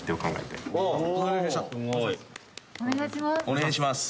お願いします。